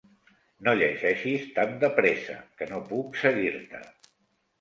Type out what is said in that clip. No llegeixis tan de pressa, que no puc seguir-te.